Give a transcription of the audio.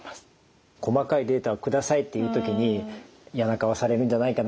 細かいデータを下さいっていう時に嫌な顔されるんじゃないかな